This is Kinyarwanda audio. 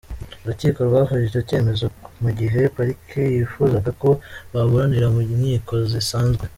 Urukiko rwafashe icyo cyemezo mu gihe parike yifuzaga ko baburanira mu nkiko zisanzwe.